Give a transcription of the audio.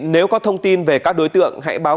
nếu có thông tin về các đối tượng hãy báo